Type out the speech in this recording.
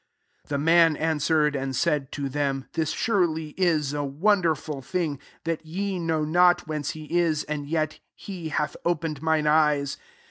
30 The man answered and said to them, " This surely is a wonderful thing, that ye know not whence he is, and yet he hath opened mine eyes.